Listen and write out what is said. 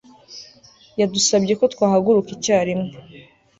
Yadusabye ko twahaguruka icyarimwe